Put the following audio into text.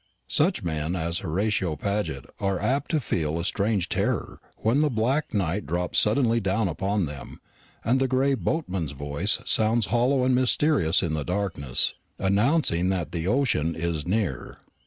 Such men as Horatio Paget are apt to feel a strange terror when the black night drops suddenly down upon them, and the "Gray Boatman's" voice sounds hollow and mysterious in the darkness, announcing that the ocean is near.